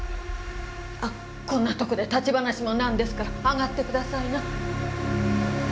こんなとこで立ち話も何ですから上がってくださいな。